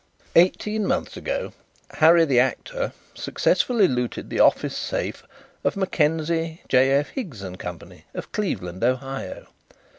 "Eighteen months ago 'Harry the Actor' successfully looted the office safe of M'Kenkie, J.F. Higgs & Co., of Cleveland, Ohio.